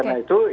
oleh karena itu